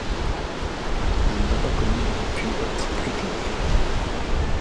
je vois pas comment j'aurais pu être plus clair.